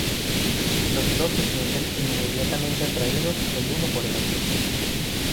Los dos se sienten inmediatamente atraídos el uno por el otro.